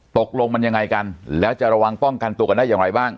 ตกลงมันยังไงกันแล้วจะระวังป้องกันตัวกันได้อย่างไรบ้าง